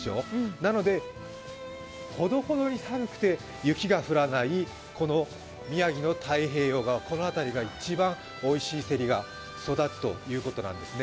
なので、ほどほどに寒くて雪が降らないこの宮城の太平洋側がおいしいセリが育つということなんですね。